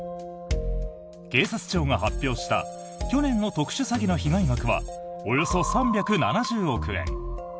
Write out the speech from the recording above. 警察庁が発表した去年の特殊詐欺の被害額はおよそ３７０億円。